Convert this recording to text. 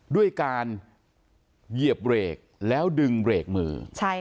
ด้วยการเหยียบเบรกแล้วดึงเบรกมือ